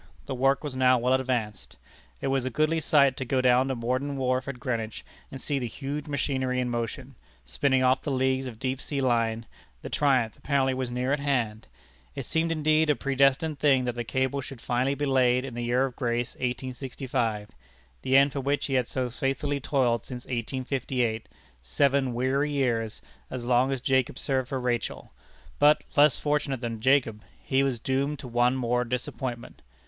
The work was now well advanced. It was a goodly sight to go down to Morden Wharf at Greenwich, and see the huge machinery in motion, spinning off the leagues of deep sea line. The triumph apparently was near at hand. It seemed indeed a predestined thing that the cable should finally be laid in the year of grace 1865 the end for which he had so faithfully toiled since 1858 seven weary years as long as Jacob served for Rachel! But, less fortunate than Jacob, he was doomed to one more disappointment.